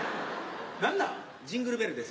「ジングルベル」です。